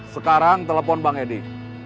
sekarang telepon bang edi